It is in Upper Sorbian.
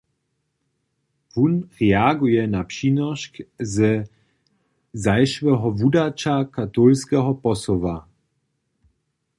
Wón reaguje na přinošk ze zašłeho wudaća Katolskeho Posoła.